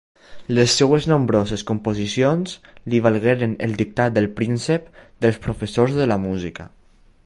Les seves nombroses composicions li valgueren el dictat de Príncep dels professors de la música.